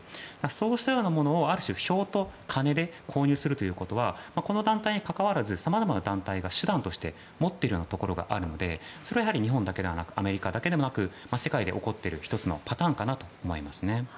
そうしたようなものを、ある種票と金で購入するということはこの団体にかかわらずさまざまな団体が手段として持っているようなところがあるのでそれは日本、アメリカだけではなく世界で起こっている１つのパターンかなと思います。